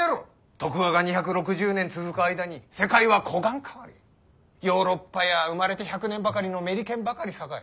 徳川が２６０年続く間に世界はこがん変わりヨーロッパや生まれて１００年ばかりのメリケンばかり栄え